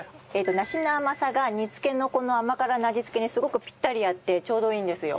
梨の甘さが煮付けの甘辛の味付けにすごくピッタリ合ってちょうどいいんですよ。